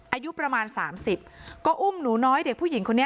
อายุประมาณ๓๐ก็อุ้มหนูน้อยเด็กผู้หญิงคนนี้